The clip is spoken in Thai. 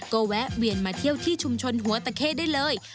ก็แวะเวียนมาเที่ยวที่ชุมชนหัวตะเข้ได้เลย